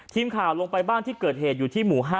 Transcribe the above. ทีมข่าวลงไปบ้านที่เกิดเหตุอยู่ที่หมู่๕